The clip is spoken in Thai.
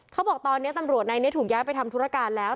เขาบอกตอนนี้ตำรวจในนี้ถูกย้ายไปทำธุรการแล้ว